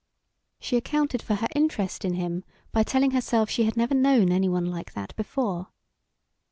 She accounted for her interest in him by telling herself she had never known any one like that before.